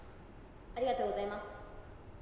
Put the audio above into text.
ありがとうございます。